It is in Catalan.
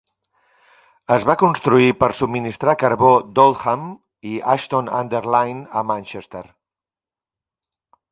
Es va construir per subministrar carbó d'Oldham i Ashton-under-Lyne a Manchester.